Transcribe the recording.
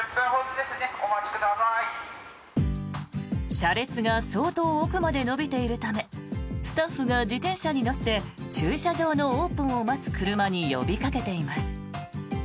車列が相当奥まで延びているためスタッフが自転車に乗って駐車場のオープンを待つ車に呼びかけています。